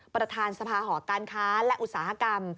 ประธานสภาหอการค้าและอุตสาหกรรม